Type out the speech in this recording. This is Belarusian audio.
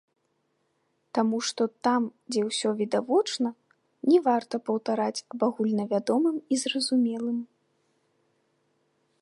Таму што там, дзе усё відавочна, не варта паўтараць аб агульнавядомым і зразумелым.